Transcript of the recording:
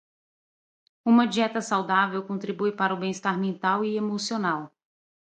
Uma dieta saudável contribui para o bem-estar mental e emocional.